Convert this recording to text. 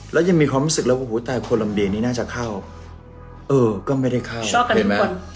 และยังมีความว่าคนลำเดนนี่นะจาเข้าก็ไม่ได้เข้าก็ไม่ได้เข้า